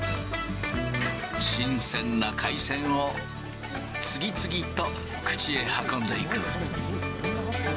新鮮な海鮮を次々と口へ運んでいく。